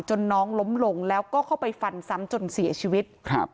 น้องล้มลงแล้วก็เข้าไปฟันซ้ำจนเสียชีวิตครับ